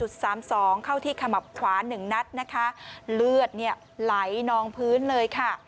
ต้องเข้าที่ขมับขวาน๑นัดนะคะเลือดไหลนองพื้นเลยค่ะ